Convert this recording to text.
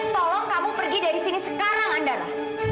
tolong kamu pergi dari sini sekarang andana